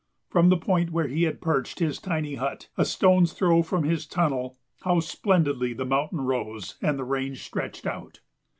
From the point where he had perched his tiny hut, a stone's throw from his tunnel, how splendidly the mountain rose and the range stretched out!